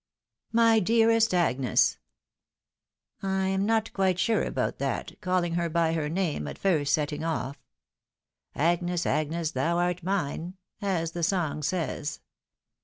" My dearest Agnes !"" I am not quite sure about that, calling her by her name at first setting off. "' Agnes, Agnes, thon art mine !' as the song says.